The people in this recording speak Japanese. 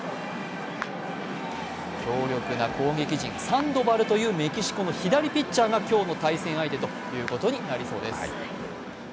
強力な攻撃陣、サンドバルというメキシコの左ピッチャーが今日の対戦相手ということになりそうです。